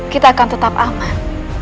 kita akan tetap aman